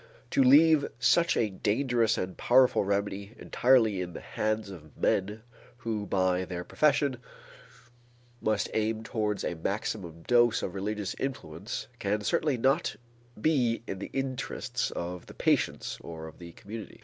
To leave such a dangerous and powerful remedy entirely in the hands of men who by their profession must aim towards a maximum dose of religious influence can certainly not be in the interests of the patients or of the community.